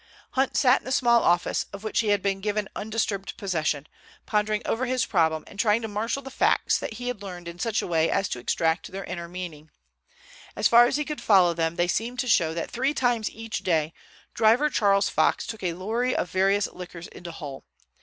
Hunt sat in the small office, of which he had been given undisturbed possession, pondering over his problem and trying to marshal the facts that he had learned in such a way as to extract their inner meaning. As far as he could follow them they seemed to show that three times each day driver Charles Fox took a lorry of various liquors into Hull.